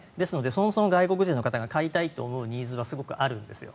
そもそも外国人の方が買いたいというニーズがあるわけですよ。